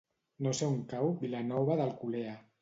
No sé on cau Vilanova d'Alcolea.